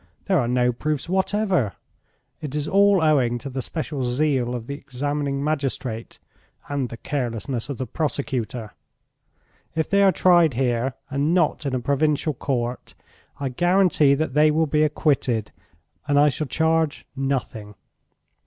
There are no proofs whatever. It is all owing to the special zeal of the examining magistrate and the carelessness of the prosecutor. If they are tried here, and not in a provincial court, I guarantee that they will be acquitted, and I shall charge nothing.